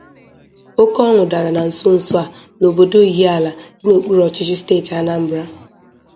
Oke ọñụ dara na nsonso a n'obodo Ihiala dị n'okpuru ọchịchị steeti Anambra